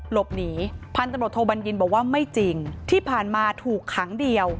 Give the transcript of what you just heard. หลบหนีพันธุ์ตำรวจโทบัญญินบอกว่าไม่จริงที่ผ่านมาถูกขังเดียว